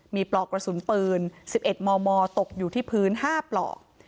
มีปลอกกระสุนปืน๑๑มมตกอยู่ที่พื้น๕ปลอก